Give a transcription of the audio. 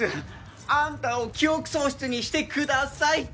あんたを記憶喪失にしてくださいって。